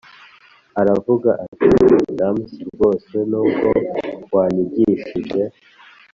aravuga ati: damas, rwose nubwo wanyigishije